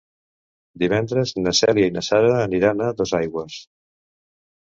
Divendres na Cèlia i na Sara aniran a Dosaigües.